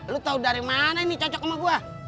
lu tahu dari mana ini cocok sama gue